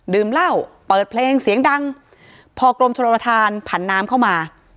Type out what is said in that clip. เล่าเปิดเพลงเสียงดังพอกรมชนประธานผันน้ำเข้ามา